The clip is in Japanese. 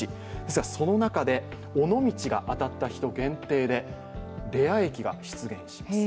その中で尾道が当たった人限定でレア駅が出現します